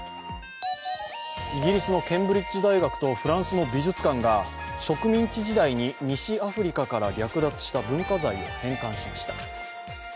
イギリスのケンブリッジ大学とフランスの美術館が植民地時代に西アフリカから略奪した文化財を返還しました。